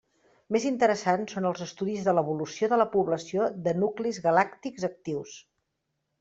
Més interessants són els estudis de l'evolució de la població de nuclis galàctics actius.